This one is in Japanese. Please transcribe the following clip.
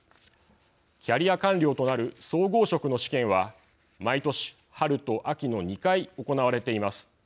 キャリア官僚となる総合職の試験は、毎年春と秋の２回、行われています。